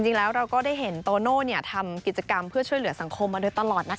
เราก็ได้เห็นโตโน่ทำกิจกรรมเพื่อช่วยเหลือสังคมมาโดยตลอดนะคะ